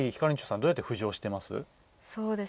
どうやって浮上してます？